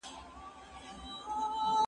همدا روح انسان له نورو مخلوقاتو جلا کوي.